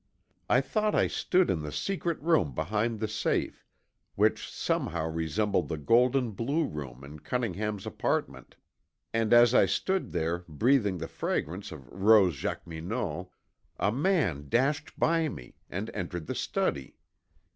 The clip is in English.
I thought I stood in the secret room behind the safe, which somehow resembled the gold and blue room in Cunningham's apartment, and as I stood there breathing the fragrance of Rose Jacqueminot a man dashed by me and entered the study.